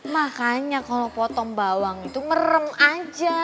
makanya kalau potong bawang itu merem aja